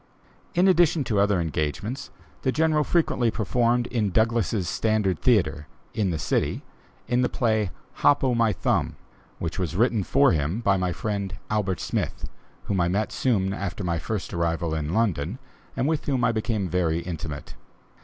In addition to other engagements, the General frequently performed in Douglass's Standard Theatre, in the city, in the play "Hop o' my Thumb," which was written for him by my friend, Albert Smith, whom I met soon after my first arrival in London and with whom I became very intimate.